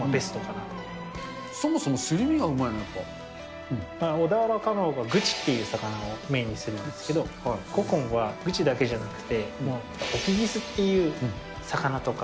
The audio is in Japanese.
そもそもすり身がうまいな、小田原かまぼこ、グチっていう魚をメインにするんですけど、古今はグチだけじゃなくって、沖ギスっていう魚とか。